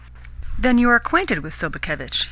"Then you are acquainted with Sobakevitch?"